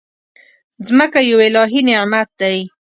مځکه یو الهي نعمت دی.